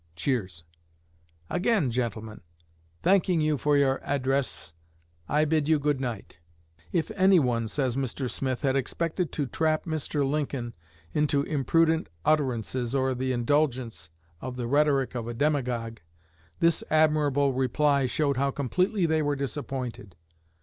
[Cheers.] Again, gentlemen, thanking you for your address, I bid you good night. "If anyone," says Mr. Smith, "had expected to trap Mr. Lincoln into imprudent utterances, or the indulgence of the rhetoric of a demagogue, this admirable reply showed how completely they were disappointed.